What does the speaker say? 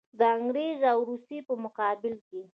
د انګریز او روس په مقابل کې.